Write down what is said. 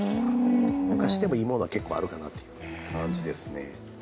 昔でもいいものは結構あるかなという感じですね。